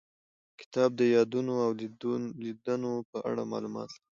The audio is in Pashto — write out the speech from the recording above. کتاب د یادونو او لیدنو په اړه معلومات لري.